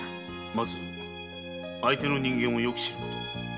まず相手の人間をよく知ること。